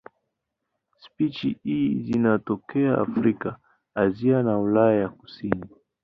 Spishi hizi zinatokea Afrika, Asia na Ulaya ya kusini.